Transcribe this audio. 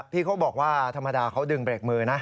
พี่เขาบอกว่าธรรมดาเขาดึงเบรกมือนะ